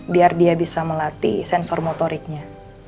biar dia bisa melatih sensor motoriknya